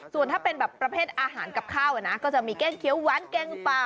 ส่วนถ้าเป็นแบบประเภทอาหารกับข้าวนะก็จะมีเก้งเขียวหวานแกงปลา